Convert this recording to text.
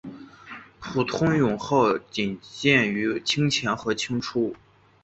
普通勇号仅见于清前和清初。